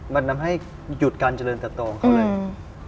มันทำให้หยุดการเจริญเติบโตของเขาเลย